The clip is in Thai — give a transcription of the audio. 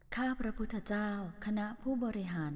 ข้าพระพุทธเจ้าคณะผู้บริหาร